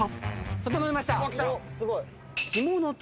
整いました。